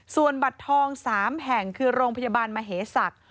ส่วนบัตรทอง๓แห่งคือโรงพยาบาลมเหศักดิ์